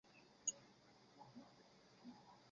参加了长征。